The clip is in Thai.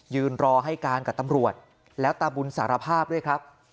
ยืนรอให้การกับตำรวจแล้วตาบุญสารภาพด้วยครับ